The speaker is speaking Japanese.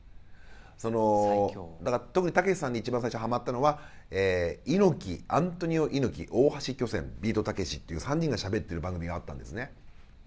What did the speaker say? そのだから特にたけしさんに一番最初ハマったのはアントニオ猪木大橋巨泉ビートたけしっていう３人がしゃべってる番組があったんですね。